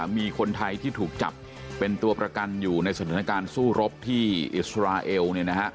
มีคนไทยที่ถูกจับเป็นตัวประกันอยู่ในสถานการณ์สู้รบที่อิสราเอล